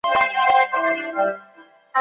也将此类归类于岩黄蓍属。